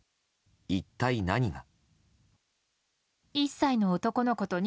一体何が。